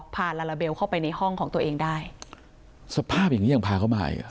ลาลาเบลเข้าไปในห้องของตัวเองได้สภาพอย่างงี้ยังพาเขามาอีกอ่ะ